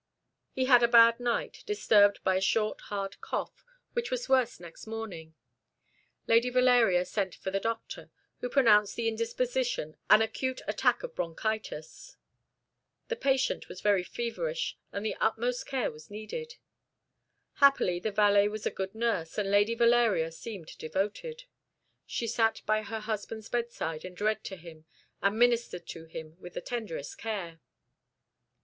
He had a bad night, disturbed by a short, hard cough, which was worse next morning. Lady Valeria sent for the doctor, who pronounced the indisposition an acute attack of bronchitis. The patient was very feverish, and the utmost care was needed. Happily, the valet was a good nurse, and Lady Valeria seemed devoted. She sat by her husband's bedside; she read to him, and ministered to him with the tenderest care.